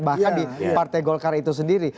bahkan di partai golkar itu sendiri